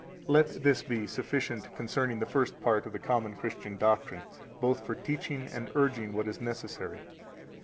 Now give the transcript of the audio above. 319 Let this be sufficient concerning the first part of the common Christian doctrine, both for teaching and urging what is necessary.